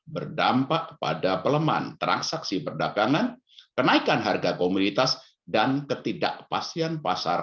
terdampak pada pelemah transaksi perdagangan kenaikan harga komunitas dan ketidakpastian pasar